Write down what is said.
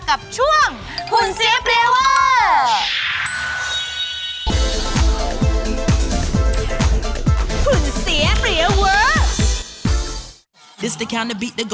กับช่วงหุ่นเสียเปรียเวอร์